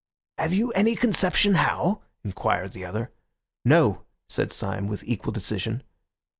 "Have you any conception how?" inquired the other. "No," said Syme with equal decision.